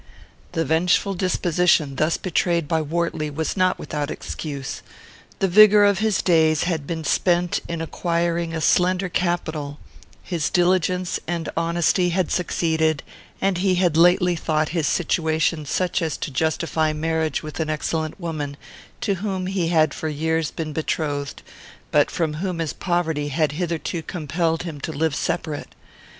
The vengeful disposition thus betrayed by Wortley was not without excuse. The vigour of his days had been spent in acquiring a slender capital; his diligence and honesty had succeeded, and he had lately thought his situation such as to justify marriage with an excellent woman, to whom he had for years been betrothed, but from whom his poverty had hitherto compelled him to live separate.